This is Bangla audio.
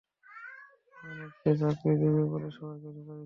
অনেককে চাকরি দিবে বলে সবাইকে ধোঁকা দিচ্ছো।